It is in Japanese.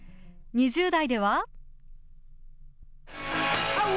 ２０代では。